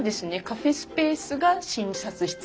カフェスペースが診察室。